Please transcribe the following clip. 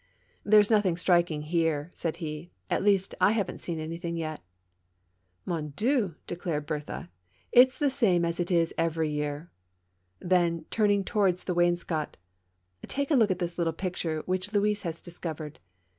"There's nothing striking here," said he; "at least, I haven't seen anything yet." " Mon Dieu!" declared Berthe, "it's the same as it is every year." ^ Then, turning towards the wainscot :" Take a look at this little picture which Louise has discovered.